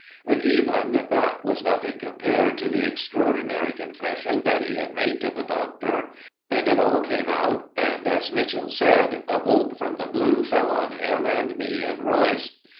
And even that was nothing compared to the extraordinary confession that he had made to the Doctor. And it all came out, and, as Mitchell said, a bolt from the blue fell on him and me and Rice.